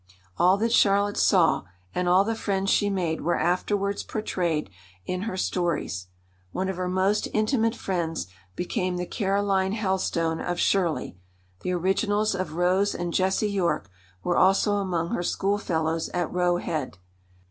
All that Charlotte saw and all the friends she made were afterwards portrayed in her stories. One of her most intimate friends became the Caroline Helstone of Shirley; the originals of Rose and Jessie Yorke were also among her schoolfellows at Roe Head.